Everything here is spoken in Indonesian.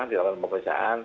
di dalam pemeriksaan